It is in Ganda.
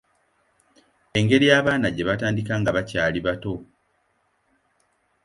Engeri abaana gye batandika nga bakyali bato.